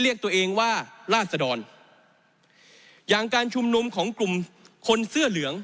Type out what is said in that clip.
อย่างการชุมนมของกลุ่มคนเสื้อเหลือง